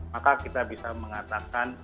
maka kita bisa mengatakan